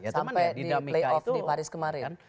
sampai di playoff di paris kemarin